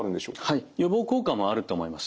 予防効果もあると思います。